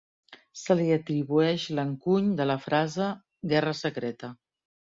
Se li atribueix l'encuny de la frase "guerra secreta".